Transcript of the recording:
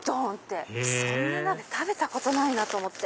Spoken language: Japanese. へぇそんな鍋食べたことないなと思って。